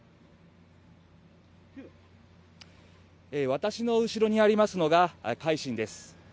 私の後ろにありますのが「海進」です。